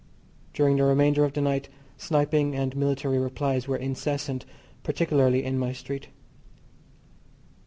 During the remainder of the night sniping and military replies were incessant, particularly in my street.